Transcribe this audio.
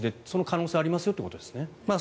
その可能性がありますよということですね。